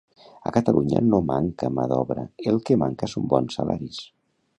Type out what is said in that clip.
A Catalunya no manca mà d'obra el que manca són bons salaris